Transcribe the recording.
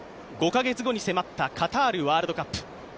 ５カ月後に迫ったカタールワールドカップ。